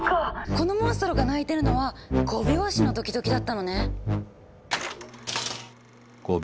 このモンストロが鳴いてるのは５拍子のドキドキだったのね。